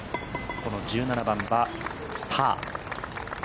この１７番はパー。